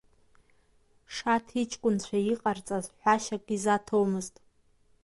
Шаҭ иҷкәынцәа иҟарҵаз ҳәашьак изаҭомызт…